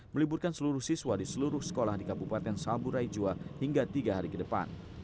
meliburkan seluruh siswa di seluruh sekolah di kabupaten saburai jua hingga tiga hari ke depan